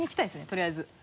とりあえず。